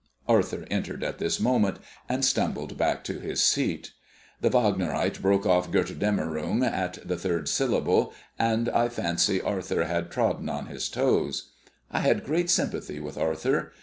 Arthur entered at this moment, and stumbled back to his seat. The Vaaagnerite broke off Götterdammerung at the third syllable, and I fancy Arthur had trodden on his toes. I had great sympathy with Arthur.